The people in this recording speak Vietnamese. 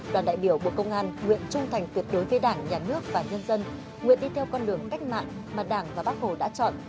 đoàn đại biểu bộ công an nguyện trung thành tuyệt đối với đảng nhà nước và nhân dân nguyện đi theo con đường cách mạng mà đảng và bác hồ đã chọn